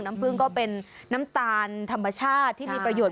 พึ่งก็เป็นน้ำตาลธรรมชาติที่มีประโยชน